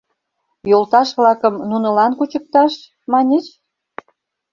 Йолташ-влакым нунылан кучыкташ, маньыч?